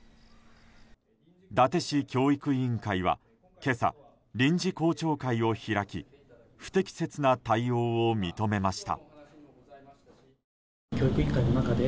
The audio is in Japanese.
伊達市教育委員会は今朝、臨時校長会を開き不適切な対応を認めました。